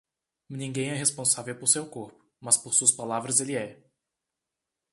Ninguém é responsável por seu corpo, mas por suas palavras ele é.